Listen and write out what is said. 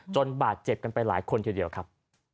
บาดเจ็บกันไปหลายคนทีเดียวครับ